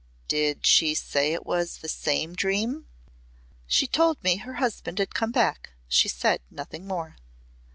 "Did she say it was the same dream?" "She told me her husband had come back. She said nothing more."